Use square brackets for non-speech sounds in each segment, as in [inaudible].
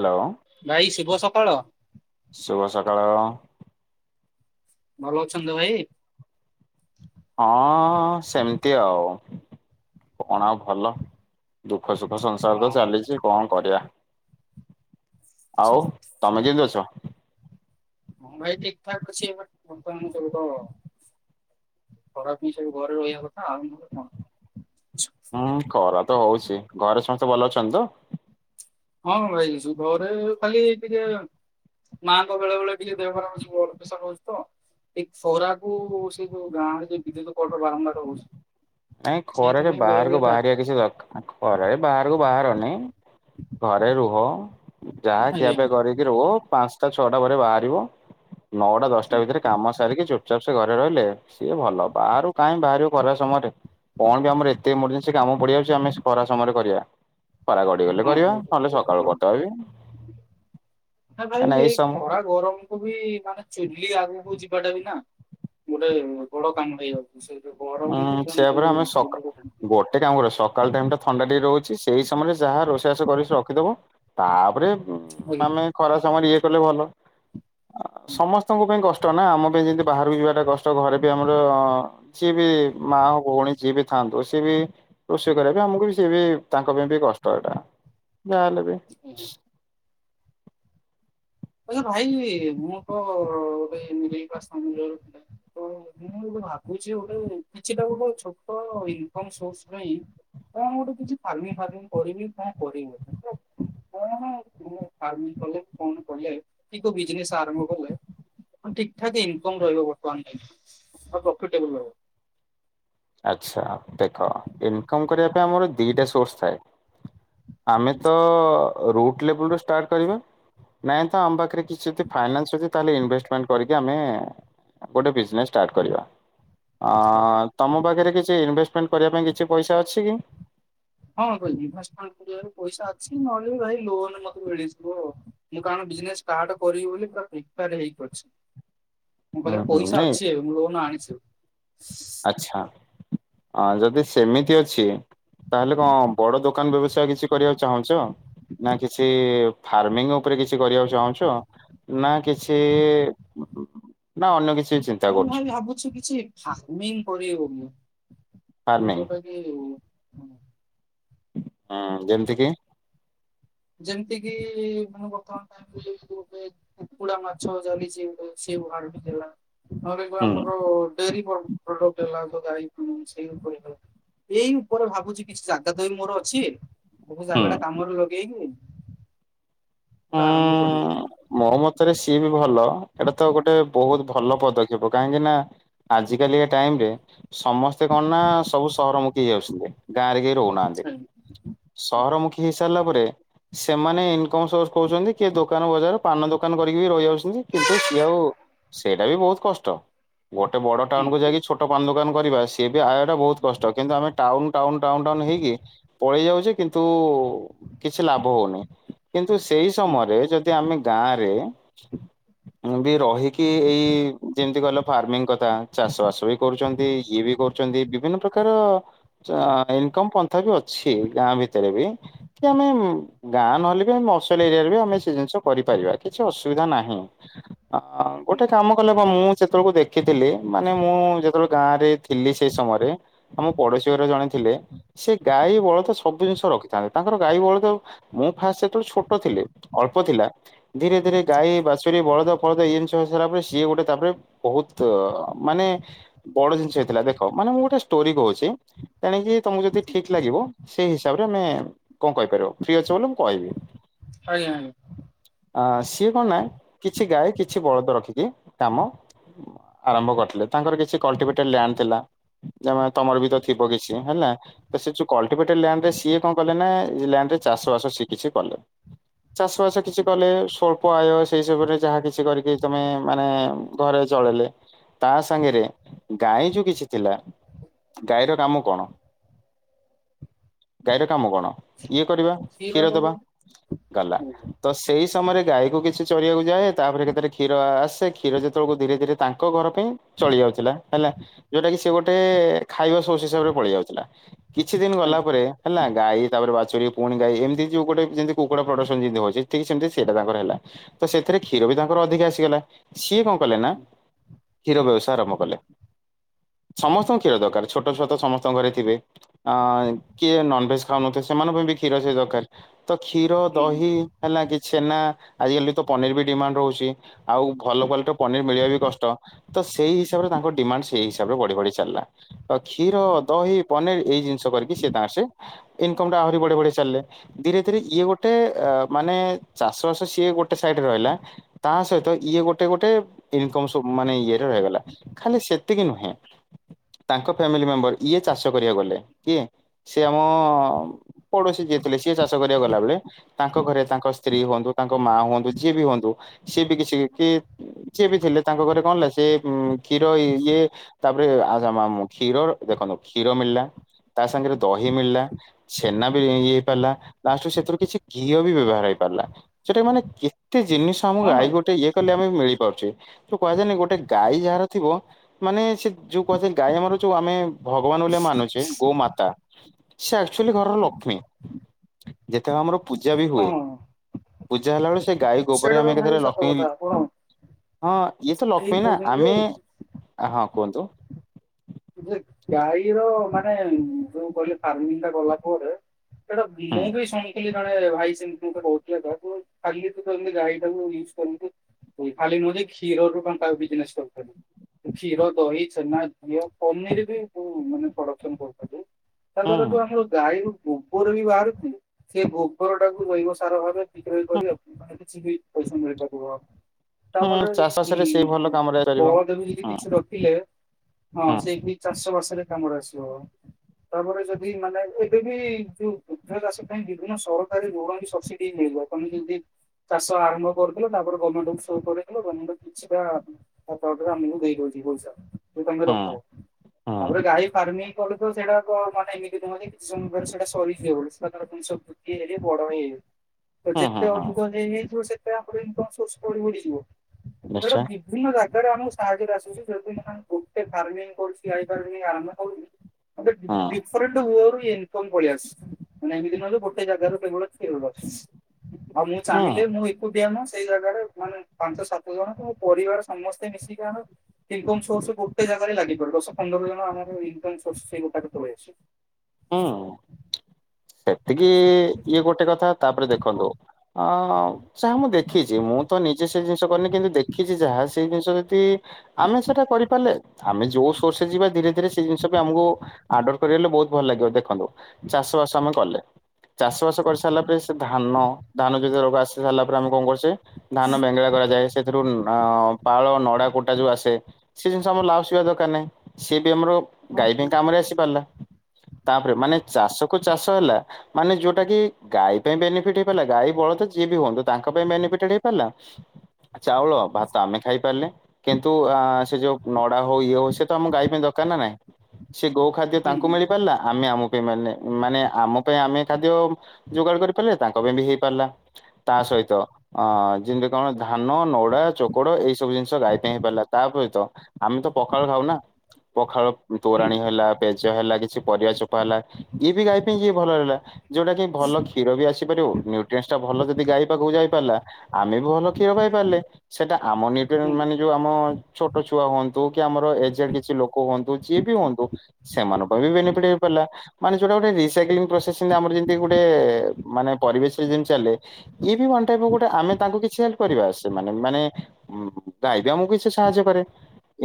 Hello ଭାଇ ଶୁଭ ସକାଳ କଳ ଭଲ ଅଛନ୍ତି ତ ଭାଇ ହଁ ସେମତି ଆଉ କଣ ଆଉ ଭଲ ଦୁଃଖ ସୁଖ ସଂସାର ହଁ ତ ଚାଲିଛି କଣ କରିବା। ଆଉ ତମେ କେମିତି ଅଛ? ମୁ ଭାଇ ଠିକ ଠାକ ଅଛି ବର୍ତ୍ତମାନ ସବୁ ତ ଖରାପ ହଇ ସବୁ ଘରେ ରହିବା କଥା ଆଉ କଣ? ହୁଁ ଖରା ତ ହଉଛି ଘରେ ସମସ୍ତ ତ ଭଲ ଅଛଛନ୍ତି ତ ହଁ ଭାଇାଇଛୁ ଘରେ ଖାଲି ଟିକେ ମାଙ୍କ ବେଳେ ବେଳେ ଟିକେ ଦେହ ଖରା ହଉଛି ବ୍ଲଡ ପ୍ରେସର ହଉଛି ତ ଏ ସରା କ ସେ ଯୋଉ ଗାଁ ରେ ଯ ବିଦ୍ୟୁତ ବାରମ୍ବାର ହଉଛି ନାଇଁ ଖରାରେ ସେଇଥିପାଇଁ ବେଳେ ବାହାରକୁ ବେଳେ କା ବାହାରିବା କିଛି ଦରକାର ଖରାରେ ବାହାରକୁ ବାହାରନି ଘରେ ରୁହ ଯାହା ଖିଆ ଆଜ୍ଞା ପାଇଁ ହଁ କରିକି ରହ ପାଞ୍ଚ ତା ଛଅଟା ପରେ ବାହାରିବ ନଅଟା ଦଶଟା ଭିତରେ କାମ ସାରିକି ଚୋଟ ଚପସେ ଘରେ ରହିଲେ ସିଏ ଭଲ ବାହାରୁ କାଇହିଁ ବାହାର ା ସମୟରେ କଣ ବି ଆମର ଏତେ ଏମର୍ଜେନ୍ସି କାମ ପଡିଯାଉଛି ଆମେ କରା ସମୟରେ କରିବା। ଖରା ଗଡିଗଲେ କରିବା ହଁଇ ନହେଲେ ନା ସକାଳୁ କରିଦବା ବି କାହିଁକିନା ଭାଇ ଏଇ ଖରା ଗରମକୁ ବି ମାନେ ଚୁଲି ଆଗକୁ ଯିବାଟା ବି ନା ଗୋଟେ ବଡ କାମ ହେଇଯାଉ ଉଁ ସେୟଆପରେ ଆମେ ସକା ଆଚ୍ଛା ଗୋଟେ କାମ କରିବା ସକାଳ ଟାଇମ ଟା ଥଣ୍ଡା ଟିକେ ରହୁଛି ସେଇ ସମୟରେ ଯାହା ର ଶେଷ କରିକି ରଖିଦବ ତାପରେ ହଁ ଆମେ ଖରା ସମୟରେ ଇଏ ଲେ ଭଲ ସମସ୍ତଙ୍କ ପାଇଁ କଷ୍ଟ କଷ୍ଟ ନା ଆମ ପାଇଁ ଯେମିତି ବାହାରକୁ ଯିବାଟା କଷ୍ଟ ଘରେ ବି ଆମର ସିଏ ବି ମାଉ ଭଉଣୀ ଯିଏ ବି ଥାନ୍ତୁ ସିଏ ବି ରୋଷେଇ କର ପାଇଁ ଆମକୁ ସିଏ ବି ତାଙ୍କ ପାଇଁ ବି କଷ୍ଟ ଏଟା। ଯାହା ହେଲେ ବି ଆଚ୍ଛା ଭାଇ ମୁଁ ତ ଗୋଟେ [unintelligible] ବା ସମ୍ର ତ ମୁଁ ଗୋଟେ ଭାବୁଛି ଗୋଟେ କିଛିଟା ଗୋଟେ ଛୋଟ ଇନକମ୍ ସୋର୍ସ ପାଇଁ। କଣ ଗୋଟେ କିଛି ଫାର୍ମିଙ୍ଗ ଫାର୍ମିଙ୍ଗ କରିବି କଣ କରିବି? ମୁଁ କଣ ଫାର୍ମିଙ୍ଗ କଲେ କଣ କଲେ କି କୋଉ ବିଜନେସ୍ ଆରମ୍ଭ କଲେ ହଁ ଠିକ ଠାକ ଇନକମ୍ ରହିବ ବର୍ତ୍ତମାନ, ଆଉ ପ୍ରଫିଟେବୁଲ୍ ରହିବ। ଆଚ୍ଛା ଦେଖ ଇନକମ୍ କରିବା ପାଇଁ ଆମର ଦିଟା ସୋର୍ସ ଥାଏ। ଆମେ ତ ଅ, ରୁଟ୍ ଲେବଲ୍ ରୁ ଷ୍ଟାର୍ଟ କରିବା। ନାହିଁ ତ ଆମ ପାଖରେ କିଛି ଯଦି ଫାଇନାନ୍ସ ଅଛି ତାହେଲେ ଇନଭେଷ୍ଟମେଣ୍ଟ କରିକି ଆମେ ଗୋଟେ ବିଜନେସ୍ ଷ୍ଟାର୍ଟ କରିବା। ରହିବ। ଅଁ, ତୋମ ପାଖରେ କିଛି ଇନଭେଷ୍ଟମେଣ୍ଟ କରିବା ପାଇଁ କିଛି ପଇସା ଅଛି କି? ହଁ କଲି ଇନଭେଷ୍ଟମେଣ୍ଟ କରିବାରେ ପଇସା ଅଛି। ନହେଲେ ଭାଇ ଲୋନ୍ ମୋତେ ମିଳିଯିବ। ମୁଁ କାରଣ ବିଜନେସ୍ ଷ୍ଟାର୍ଟ କରିବି ବୋଲିି ପୁରା ପ୍ରିପିୟାଡ୍ ହେଇକି ଅଛି। ମୋ ପାଖରେ ହୁଁ ପଇସା ନାଇଁ ଅଛି ଏବେ, ମୁଁ ଲୋନ୍ ଆଣିଛି ଏବେ। ଆଚ୍ଛା। ହଁ ଯଦି ସେମିତି ଅଛି ତାହେଲେ କଣ ବଡ ଦୋ କାନ ବ୍ୟବସାୟ କିଛି କରିବାକୁ ଚାହୁଁଚ? ନା କିଛି ଫାର୍ମିଙ୍ଗ ଉପରେ କିଛି କରିବାକୁ ଚାହୁଁଛ? ନା କିଛି ନା ଅନ୍ୟ କିଛି ଚିନ୍ତା ହଁ କରୁଛ ଭାଇ ଭାବୁଛି କିଛି ଫାର୍ମିଙ୍ଗ କରି ହଉନି। କି ଫାର୍ମିଂ? ଯୋଉଟାକି ଉଁ, ହଁ ଯେମିତି କି? ଯେମିତି କିି ମୁଁ ବର୍ତ୍ତମାନ ଭାବିଲି କି ଗୋଟେ କୁକୁଡା ମାଛ ଚାଲିଛି ଗୋଟେ ସିଏ ଫାର୍ମିଙ୍ଗ ହେଲା। ନହେଲେ କି ହୁଁ ଆମର ଡେରି [unintelligible] [unintelligible] ଟେ ହେଲା [unintelligible] ଗାଈ ଗୋରୁ ଛେଳି ଉପରେ ହେଲା। ଏଇ ଉପରେ ଭାବୁଚି କିଛି ଜାଗା ତ ଏ ମୋର ଅଛି ତବୁ ହୁଁ। ଜାଗାଟା କାମରେ ଲ ଗେଇକି ଏଟା ଆରମ୍ଭ କରିକି ଇଏ ବି ଭଲ। ଏଟା ତ ଗୋଟେ ବହୁତ ଭଲ ପଦକ୍ଷେପ। କାହିଁକି ନା ଆଜି କାଲିକା ଟାଇମ୍ ରେ ସମସ୍ତେ କଣ ନା ସବୁ ସହରମୁଖୀ ହେଇଯାଉଛନ୍ତି। ଗାଁରେ କେହି ରହୁନାହାନ୍ତି। ହୁଁ ସହରମୁଖୀ ହେଇସାରିଲା ପରେ ସେମାନେ ଇନକମ୍ ସୋର୍ସ କହୁଚନ୍ତି କିଏ ଦୋକାନ ବଜାର ପାନ ଦୋକାନ କରିକି ବି ରହିଯାଉଛନ୍ତି। କିନ୍ତୁ ସିଏ ଆଉ ସେଇଟା ବି ବହୁତ କଷ୍ଟ। ଗୋଟେ ବଡ ଟାଉନ୍ କୁ ଯାଇକି ଛୋଟ ପାନ ଦୋକାନ କରିବା ସିଏ ବି ଆୟ ଟା ବହୁତ କଷ୍ଟ। କିନ୍ତୁ ଆମେ ଟାଉନ୍ ଟାଉନ୍ ଟାଉନ୍ ଟାଉନ୍ ହେଇକି ପଳେଇ ଯାଉଛେ କିନ୍ତୁ କିଛି ଲାଭ ହୋଉନି। କିନ୍ ସେଇ ହୁଁ ସମୟରେ ଯଦି ଆମେ ଗାଁ ରେ [inaudible] ଆମେ ବି ରହିକି ଏଇ ଯେମିତି କହିଲ ଫାର୍ମିଂ କଥା ଚାଷ ବାସ ବି କରୁଛନ୍ତି ଇଏ ବି କରୁଛନ୍ତି। ବିଭିନ୍ନ ପ୍ରକାର ଇନକମ ପନ୍ଥା ବି ଅଛି। ଗାଁ ଭିତରେ ବି କି ଆମେ ଗାଁ ନହେଲେ ବି ଆମେ ସେଇ ଜିନିଷ କରିପାରିବା କିଛି ଅସୁବିଧା ନାହିଁ। ହଁ, ଗୋଟେ କାମ କଲେ ମୁଁ ସେତେବେଳେ କୁ ଦେଖିଥିଲି ମାନେ ମୁଁ ଯେତେବେଳେ ଗାଁ ରେ ଥିଲି ସେଇ ସମୟରେ ଆମ ପଡୋଶୀ ଘର ଜଣେ ଥିଲେ। ସେ ଗାଈ ବଳଦ ସବୁ ଜିନିଷ ରଖିଥାନ୍ତି। ତାଙ୍କର ଗାଈ ବଳଦ ମୁଁ ଫାଷ୍ଟ ସେତେବେଳେ ଛୋଟ ଛୋଟ ଥିଲି। ଅଳ୍ପ ଥିଲା ଧୀରେ ଧୀରେ ଗାଈ ବାଛୁରୀ ବଳଦ ଫଳଦ ଏଇ ସବୁ ହେଲାପରେ ସିଏ ଗୋଟେ ତାପରେ ବହୁତ ମାନେ ବଡ ଜିନିଷ ହେଇଥିଲା। ଦେଖ ମାନେ ମୁଁ ଗୋଟେ ଷ୍ଟୋରି କହୁଛି। ତେଣିକି ତମକୁ ଯଦି ଠିକ ଲାଗିବ ସେଇ ହିସାବରେ ଆମେ କଣ କହିପାରିବ। ଫ୍ରି ଅଛ ବୋଲେ ମୁଁ କହିବି। ଆଜ୍ଞା ଆଜ୍ଞା। ଆ ସିଏ କଣ ନା କିଛି ଗାଈ କିଛି ବଳଦ ରଖିକି କାମ ଆରମ୍ଭ କରିଥିଲେ। ତାଙ୍କର କିଛି କଲଟିଭେଟେଡ ଲ୍ୟାଣ୍ଡ ଥିଲା। ତମର ବି ତ ଥିବ କିଛି। ହେଲା ତ ସେ ଯୋଉ କଲ୍ଟିଭେଟେଡ ଲ୍ୟାଣ୍ଡରେ ସିଏ କଣ କଲେ ନା ଏହି ଲ୍ୟାଣ୍ଡରେ ଚାଷ ବାସ ସିଏ କିଛି କଲେ। ଚାଷ ବାସ କିଛି କଲେ ସ୍ୱଳ୍ପ ଆୟ ସେଇସବୁରେ ଯାହା କିଛି କରିକି ତମେ ମାନେ ଘରେ ଚଳେଇଲେ। ତା ସାଙ୍ଗରେ ଗାଈ ଯୋଉ କିଛି ଥିଲା ଗାଈର କାମ କଣ? ଗାଈର କାମ କଣ? ଇଏ କରିବା। କ୍ଷୀର ଦେବା। ଗଲା ତ ସେଇ ସମୟରେ ଗାଈକୁ କିଛି ଚରିବାକୁ ଯାଏ। ତାପରେ କେତେବେଳେ କ୍ଷୀର ଆସେ। କ୍ଷୀର ଯେତେବେଳକୁ ଧୀରେ ଧୀରେ ତାଙ୍କ ଘର ପାଇଁ ଚଳି ଯାଉଥିଲା। ହେଲା ଯୋଉଟା କି ସେ ଗୋଟେ ଖାଇବା ସୋଷ ହିସାବରେ ପଳେଇ ଆଉ ଥିଲା। କିଛି ଦିନ ଗଲା ଆଜ୍ଞା ପରେ ହେଲା ଗାଈ ତାପରେ ବାଛୁରୀ ପୁଣି ଗାଈ ଏମିତି ଯୋଉ ଗୋଟେ ଯେମିତି ଯେମିତି ହଉଛି ଠିକ୍ ସେମିତି ସେଇଟା ତାଙ୍କର ହେଲା ତ ସେଥିରେ କ୍ଷୀର ବି ତାଙ୍କର ଅଧିକା ଆସିଗଲା। ସିଏ କଣ କଲେ ନା କ୍ଷୀର ବ୍ୟବସାୟ ଆରମ୍ଭ କଲେ। ସମସ୍ତଙ୍କୁ କ୍ଷୀର ଦରକାର। ଛୋଟ ଛୁଆ ତ ସମସ୍ତଙ୍କ ଘରେ ଥିବେ। ଅ କିଏ ନନଭେଜ ଖାଉ ନ ଥିବ ସେମାନଙ୍କ ପାଇଁ ବି କ୍ଷୀର ସେ ଦରକାର। ତ କ୍ଷୀର ଦହି ହେଲା କିଛି ଛେନା ଆଜିକାଲି ତ ପନିର ବି ଡିମାଣ୍ଡ ରହୁଛି। ଆଉ ଭଲ କ୍ଵାଲିଟିର ପନିର ମିଳିବା ବି କଷ୍ଟ। ତ ସେଇ ହିସାବରେ ତାଙ୍କ ଡିମାଣ୍ଡ ସେଇ ହିସାବରେ ବଢି ବଢି ଚାଲିଲା। ତ କ୍ଷୀର, ଦହି, ପନିର ଏଇ ଜିନିଷ କରିକି ସେ ତାଙ୍କର ସେ ଇନକମ ଟା ଆହୁରି ବଡଇ ବଡଇ ଚାଲିଲେ। ଧୀରେ ଧୀରେ ଇଏ ଗୋଟେ ମାନେ ଚାଷ ବାସ ସିଏ ଗୋଟେ ସାଇଡରେ ରହିଲା। ତା ସହିତ ଇଏ ଗୋଟେ ଗୋଟେ ଇନକମ ମାନେ ଇଏରେ ରହିଗଲା। ଖାଲି ସେତିକି ନୁହେଁ। ତାଙ୍କ ଫ୍ୟାମିଲି ମେମ୍ବର ଇଏ ଚାଷ କରିବାକୁ ଗଲେ। କିଏ? ସିଏ ଆମ ପଡୋଶୀ ଯିଏ ଥିଲେ। ସିଏ ଚାଷ ଗଲା ବଳେ ତାଙ୍କ ଘରେ ତାଙ୍କ ସ୍ତ୍ରୀ ହୁଅନ୍ତୁ ତାଙ୍କ ମା ହୁଅନ୍ତୁ ଯିଏ ବି ହୁଅନ୍ତୁ ସିଏ ବି କିଛି କି ଯିଏ ବି ଥିଲେ ତାଙ୍କ ଘରେ କଣ ହେଲା ସେ କ୍ଷୀର ଇଏ ତାପରେ କ୍ଷୀର ଦେଖନ୍ତୁ କ୍ଷୀର ମିଳିଲା ତା ସାଙ୍ଗରେ ଦହି ମିଳିଲା ଛେନା ବି ଇଏ ହେଇ ପାରିଲା ନାୁ ସେଥିରୁ କିଛି ଘିଅ ବି ବ୍ୟବହାର ହେଇପାରିଲା ସେଟା ମାନେ ଏତେ ଜିନିଷ ଆମକୁ ହଁ ଗାଇ ଗୋଟେ ଇଏ କଲେ ଆମେ ମିଳିପାରୁଛେ ଯୋଉ କୁହାଯାଏନି ଗୋଟେ ଗାଈ ଯାହାର ଥିବ ମାନେ ସେ ଯୋଉ କୁହାଯାଏ ଗାଈ ଆମର ଯୋଉ ଆମେ ଭଗବାନ ବୋଲିଆ ମାନୁଛେ ଗୋମାତା ସେ ଆକ୍ଚୁଆଲି ଘରର ଲକ୍ଷ୍ମୀ ଯେତେବେଳେ ଆମର ପୂଜା ବି ହୁଏ। ହଁ ପୂା ହେଲା ବଳ ସେ ଗାଈ ଗୋବର ସେଇଟା ତ ଆମେ ଭାଇ କେତେଳେ ସତ ଲକ୍ଷ୍ମୀ କଥା ଆପଣ ହଁ ଇଏ ତ ଠିକ ଲକ୍ଷ୍ମୀ ନା କହୁଛନ୍ତି ଆମେ ଯୋଉ ହଁ। କୁହନ୍ତୁ। ଗାଈର ମାନେ ଯୋଉ କହିଲେ ଫାର୍ମିଂ ଟା ଗଲା ପରେଡେ ଏଟା ହୁଁ ବିଲେଇ ବି ଶୁଣିଥିଲି। ଜଣେ ଭାଇ ସେମିତିତେ କହୁଥିଲେ ତ ତୁ ଖାଲି ତୁମିତି ଗାଈ ଟାକୁ ୟୁଜ କରୁ ଖାଲି ନୁହଁ କ୍ଷୀରରୁ ବିଜନେସ କରୁ କ୍ଷୀର ଦହି ଛେନା ଘିଅ କିରେ ବି ମାନେ ପ୍ରଡସନ କରଛନ୍ତି। ହୁଁ ତାଲରୁ ଆଉ ଗଈ ଗୋବର ବି ବାହାରୁଥ ସେ ଗୋବର ଟାକୁ ରହିବ ସାର ଭାବେ ବିକ୍ର କରି ଆପଣ କି ପସନ୍ଦ ମି ତୁ ହୁଁ ତାମାନେ ଚାଷବାସରେ ସେ ଭଲ ଉଁ କାମରେ ଆସିପାରିବ ହୁଁ ବାଳଦ ବି କିଛି ଯଦି ରଖିଲେ ହଁ ହୁଁ ସେଇଠି ଚାଷ ବର୍ଷ କାମ ଆସିବ ତାପରେ ଯଦି ମାନେ ଏବେ ବି ଯୋଉ କୁଧ ଚାଷ ପାଇଁ ବିଭିନ୍ନ ସରକାରୀ ଋଣ ସବସିଡି ମିଳିବ ତମେ ଯଦି ଚାଷ ଆରମ୍ଭ କରିଥିଲ ତାପରେ ଗର୍ଣ୍ଣମେଣ୍ଟ ଗଣ୍ଣମେଣ୍ଟ କିଛିଟା ଆମକୁ ଦେଇ ଦଉଛି ବୁଛ [unintelligible] ହଉ ହୁଁ ହୁଁ ତାପରେ ଗାଈ ଫାର୍ମିଂ କିଲ ତ ସେଟା କଣ ମେ ଏମି କିଛି ସମ ସେଟା ସରି ସବୁ ହେଲେ ବଡ ହେଇ ତ ହୁଁ ହୁଁ ଯେତେ ଅଟୁ ହୁଁ କ ଥ ସେ ସୋ ମିଳିଯିବ। ଏଟ ନିଶ୍ଚୟ ବିଭିନ୍ନ ଜାଗାରେ ଆମକୁ ସାହାଯ୍ୟରେ ଆ ଯଦି କରେ ଫର୍ମିଂ କରୁଚି ଗାଈ ଫାର୍ମିଂ ଆରାମ ହଉନ ଆ ହୁଁ ଡିଫରେଣ୍ଟ ହୁଅ ଇନକମ୍ ପଳିଆସୁବ ମାନେ ଏମିତିି ନୁହଁ ଗୋଟେ ଜାଗାରୁ କେବେ ଅଛି ଅ ଆଉ ମୁଁ ହୁଁ ଚାହିଁିଲେ ମୁଁ ଏକୁ ଦିଆ ମା ସେଇ ଜାଗାରେ ମାନେ ପାଞ୍ଚ ସାତ ଜଣ ତ ମୋ ପରିବାର ସମସ୍ତେ ମିଶିକି ଆର ଇନକ ସୋର୍ସ ଗୋେ ଜାଗାରେ ଲାଗିପିବ ଦଶ ପନ୍ଦର ଜଣ ଆମର ଇମ୍ ସୋର୍ସ ସେଇ ଗୋଟାକୁ ପଳେଇ ଆସଛି। ହଁ। [unintelligible] ଟିକେ ଇଏ ଗୋଟେ କଥା ତାପରେ ଦେଖନ୍ତୁ ଅ ଯହା ମୁଁ ଦେଖିଛି ମୁଁ ତ ନିଜେ ସେ ଜିନିଷ କରିନି କିନ୍ତୁ ଦେଖିଛି ଯାହା ସେଇ ଜିନିଷ ଯଦି। ଆମେ ସେଟା କରିପାରିଲେ ଆମେ ଯୋଉ ସୋର୍ସରେ ଯିବା ଧୀରେ ଧୀରେ। ଏହି ଜିନିଷ ପାଇଁ ଆମକୁ ଆଡପ୍ଟ କରିଗଲେ ବହୁତ୍ ଭଲ ଲାଗିବ ଦେଖନ୍ତୁ ଚାଷ ବାସ। ଆମେ କଲେ ଚାଷ ବାସ କରି ସାରିଲା ପରେ ସେ ଧାନ ଧାନ ଆସିସାରିଲା ପରେ ଆମେ କଣ କରୁଛେ। ଧାନ ବେଙ୍ଗେଳା କରାଯାଏ ସେଥିରୁ। ଅ ପାଳ ନଡା କୁଟା ଯୋଉ ଆସେ ସେ ଜିନିଷ ଆମର ଲାଉସଇବା ଦରକାର ନାହିଁ ସେ। ସେ ଭି ଆମର ହଁ ଗାଈ ପାଇଁ ହଁ କାମ ରେ ଆସି ପାରିଲା। ତାପରେ ହଁ ମାନେ ଚାଷ। କୁ ଚାଷ ହେଲା ମାନେ ଯୋଉଟା କି ଗାଈ ପାଇଁ ବେନିଫିଟ ହେଇପାରିଲା ଗାଈ, ବଳଦ ଯିଏ ବି ହୁଅନ୍ତୁ ତାଙ୍କ ପାଇଁ ବେନିଫିଟ ହେଇପାରିଲା ଚାଉଳ, ଭାତ ଆମେ ଖାଇପାରିଲେ କିନ୍ତୁ ସେ ଯୋଉ ନଡା ହଉ ଇଏ ହଉ ସେ ତ ଆମ ଗାଈ ପାଇଁ ଦରକାର ନା ନାହିଁ। ସେ ଗୋଉ ଖାଦ୍ୟ ହୁଁ ତାଙ୍କୁ ହୁଁ ମିଳି ପାରିଲା ଆମେ ଆମକୁ। [unintelligible] ମାନେ ଆମ ପାଇଁ ଆମେ ଖାଦ୍ୟ। ଯୋଗାଡ଼ କରିପାରିଲେ। ତାଙ୍କ ପାଇଁ ବି ହେଇପାରିଲା ତା ସହିତ ଅଁ ଯେମିତି କଣ ଧାନ, ନଡ଼ା, ଚୋକଡ଼ ଏଇ ସବୁ ଜିନିଷ ଗାଈ ପାଇଁ ହେଇପାରିଲା ତା ସହିତ ଆମେ ତ ପଖାଳ ଖାଉ ନା ପଖାଳ। ହୁଁ ତୋରାଣୀ ହେଲା ପେଜ ହେଲା। କିଛି ପରିବା ଚୋପା ହେଲା। ଇଏ ବି ଗାଇ ପାଇଁ ଯିଏ ଭଲ ରହିଲା। ଯୋଉଟା କି ଭଲ କ୍ଷୀର ବି ଆସିପାରିବ ନ୍ୟୁଟ୍ରିନ୍ସଟା ଭଲ ଯଦି ଗାଇ ପାଖକୁ ଯାଏ। ପାରିଲା ଆମେ ବି ଭଲ କ୍ଷୀର ପାଇପାରିଲେ ସେଟା। ଆମ ନିଟ ହୁଁ ମାନେ ଯୋଉ ଆମ। ଛୋଟ ଛୁଆ ହୁଅନ୍ତୁ କି ଆମର ଏଜେଡ କିଛି ଲୋକ ହୁଅନ୍ତୁ ଯିଏ ବି ହୁଅନ୍ତୁ ସେମାନଙ୍କ ପାଇଁ ବି ବେନିଫିଟ ହେଇପାରିଲା ମାନେ ଯୋଟା ଗୋଟେ ରିସାଇକେଲିଙ୍ଗ ପ୍ରୋସେସିଙ୍ଗ ଆମର ଯେମିତି ଗୋଟେ ମାନେ ପରିବେଶରେ ଯେମିତି ଚାଲେ ଇଏ ବି ୱାନ୍ ଟାଇପ ଅଫ ଗୋଟେ ଆମେ ତାଙ୍କୁ କିଛି ହେଲ୍ପ କରିବା ସେମାନେ ବି ମାନେ ଉଁ [unintelligible] ଆମୁକୁ କିଛି ସାହାଯ୍ୟ କରିବେ।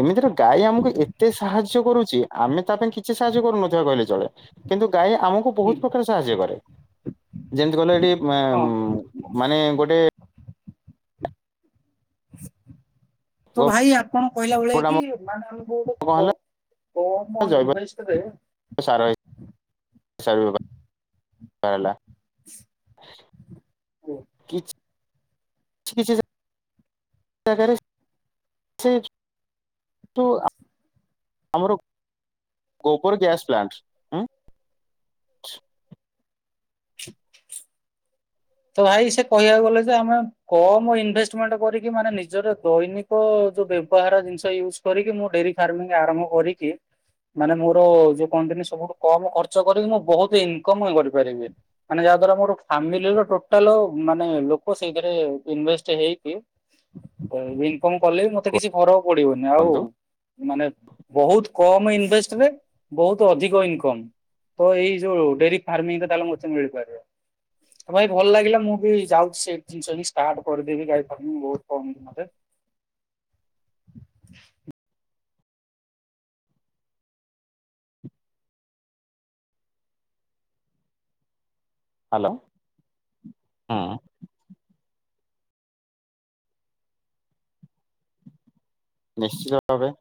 ଏମିତିରେ ଗାଈ ଆମକୁ ଏତେ ସାହାଯ୍ୟ କରୁଛି ଆମେ ତା ପାଇଁ କିଛି ସାହାଯ୍ୟ କରୁନଥିବା କହିଲେ ଚଳେ। କିନ୍ତୁ ଗାଈ ଆମୁକୁ ହୁଁ ବହୁତ ପ୍ରକାର ସାହାଯ୍ୟ କରେ। ଯେମିତି କଲେ ଏଠି ହଁ। ମାମ୍ ମାନେ ଗୋଟେ ତ ଭାଇ ଆପଣ କହିଲା ଭଳିଆ ଗୋବରଟା ଆମ କି ମାନେ ଆମକୁ କଣ ଗୋଟେ ହେଲା କ-କମ୍ ଇନଭେଷ୍ଟରେ ସରିଗଲା ସଇଲା କିଛି କିଛି କିଛି ଯାଗାରେ [unintelligible] ଆମର ଗୋବର ଗ୍ୟାସ ପ୍ଲାଣ୍ଟ ଉଁ ତ ଭାଇ ସେ କହିଆକୁ ଗଲେ ଯେ ଆମେ କମ ଇନଭେଷ୍ଟମେଣ୍ଟ କରିକି ମାନେ ନିଜର ଦୈନିକ ଯୋଉ ବ୍ୟବହାର ଜିନିଷ ୟୁଜ କରିକି ମୁଁ ଡେରି ଫାର୍ମିଂ ଆରମ୍ଭ କରିକି ମାନେ ମୋର ଯୋଉ କହନ୍ତିନି ସବୁଠୁ କମ ଖର୍ଚ୍ଚ କରିକି ମୁଁ ବହୁତ ଇନକମ ହିଁ କରିପାରିବି ମାନେ ଯାହା ଦ୍ଵାରା ମୋର ଫ୍ୟାମିଲିର ଟୋ ଟାଲ ମାନେ ଲୋକ ସେଇଥିରେ ଇନଭେଷ୍ଟ ହେଇକି କଣ କଲେ ବି ମତେ କିଛି ଫରକ୍ ପଡିବନି ଆଉ କୁହନ୍ତୁ ମାନେ ବହୁତ କମ ଇନଭେଷ୍ଟରେ ବହୁତ ଅଧିକ ଇନକମ୍ ତ ଏଇ ଯୋଉ ଡେରି ଫାର୍ମିଂରେ ତାହେଲେ [unintelligible] ମିଳିପାରିବ। ଆ ଭାଇ ଭଲ ଲାଗିଲା ମୁଁ ବି ଯାଉଛି ସେଇ ଜିନିଷ ହିଁ ଷ୍ଟାର୍ଟ କରିଦେବି ଗାଈ ଫାର୍ମିଙ୍ଗ ବହୁତ କମ୍ ଦିନରେ। ହାଲୋ ହଁ। ନିଶ୍ଚିତ ଭାବେ।